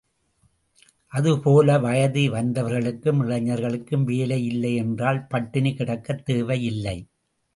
அதே போல வயது வந்தவர்களுக்கும் இளைஞர்களுக்கும் வேலை இல்லை என்றால் பட்டினி கிடக்கத் தேவை இல்லை.